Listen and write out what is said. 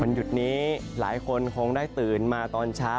หยุดนี้หลายคนคงได้ตื่นมาตอนเช้า